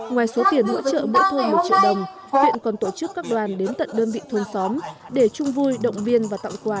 ngoài số tiền hỗ trợ mỗi thôn một triệu đồng huyện còn tổ chức các đoàn đến tận đơn vị thôn xóm để chung vui động viên và tặng quà